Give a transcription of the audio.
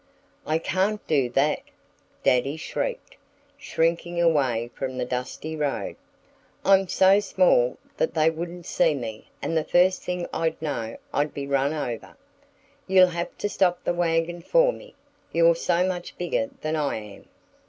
"I can't do that!" Daddy shrieked, shrinking away from the dusty road. "I'm so small that they wouldn't see me and the first thing I'd know I'd be run over.... You'll have to stop the wagon for me you're so much bigger than I am."